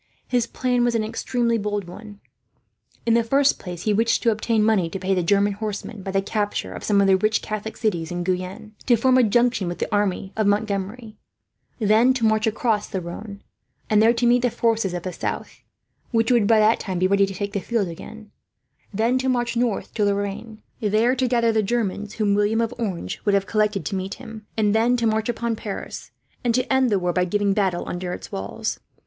His plan was an extremely bold one. In the first place, he wished to obtain money to pay the German horsemen, by the capture of some of the rich Catholic cities in Guyenne; to form a junction with the army of Montgomery; then to march across to the Rhone, and there to meet the forces of the south, which would by that time be ready to take the field again; then to march north to Lorraine, there to gather in the Germans whom William of Orange would have collected to meet him; and then to march upon Paris, and to end the war by giving battle under its walls.